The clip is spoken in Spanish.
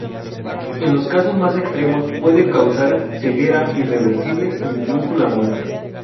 En los casos más extremos puede causar ceguera irreversible, e incluso la muerte.